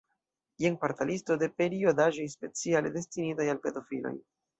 Jen parta listo de periodaĵoj speciale destinitaj al pedofiloj.